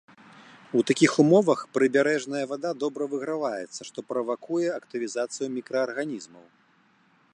У такіх умовах прыбярэжная вада добра выграваецца, што правакуе актывізацыю мікраарганізмаў.